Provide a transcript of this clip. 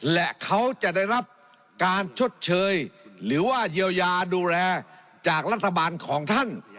และเขาจะได้รับการชดเชยหรือว่าเยียวยาดูแลจากรัฐบาลของท่าน